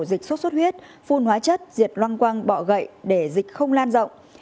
tạo dịch suốt suốt huyết phun hóa chất diệt loang quang bọ gậy để dịch không lan rộng